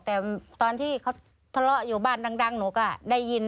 แต่ตอนที่เขาทะเลาะอยู่บ้านดังหนูก็ได้ยิน